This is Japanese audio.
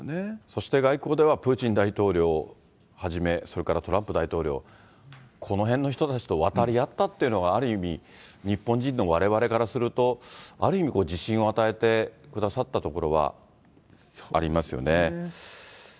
そして外交ではプーチン大統領はじめ、それからトランプ大統領、このへんの人たちと渡り合ったっていうのが、ある意味、日本人のわれわれからすると、ある意味、自信を与えてくださったところはありますよね。